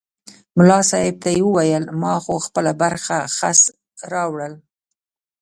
ملا صاحب ته یې وویل ما خو خپله برخه خس راوړل.